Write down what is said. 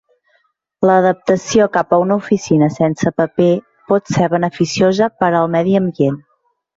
La adaptació cap a una oficina sense paper pot ser beneficiosa per al medi ambient.